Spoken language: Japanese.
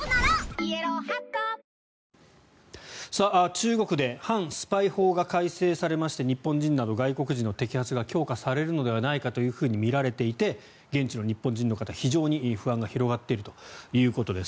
中国で反スパイ法が改正されまして日本人など外国人の摘発が強化されるのではないかとみられていて現地の日本人の方に非常に不安が広がっているということです。